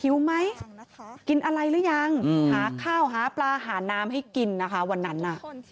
หิวไหมกินอะไรหรือยังหาข้าวหาปลาหาน้ำให้กินนะคะวันนั้นน่ะ